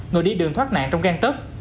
người đi đường thoát nạn trong gan tức